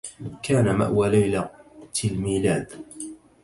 كان مأوى ليلة الميلاد